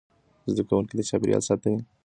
زده کوونکي د چاپیریال ساتنې په اړه زده کړه کوي.